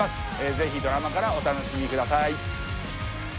ぜひドラマからお楽しみください